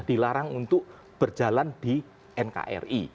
dilarang untuk berjalan di nkri